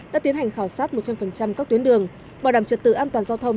đã phối hợp chặt chẽ về trật tự an toàn giao thông